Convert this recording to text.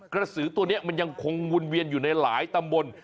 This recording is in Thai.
กระสือตัวนี้มันยังคงวนเวียนอยู่ในหลายตำบล